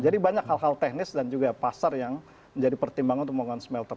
jadi banyak hal hal teknis dan juga pasar yang menjadi pertimbangan untuk membangun smelter